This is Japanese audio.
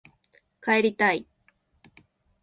帰りたい